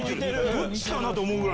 どっちかな？と思うぐらい。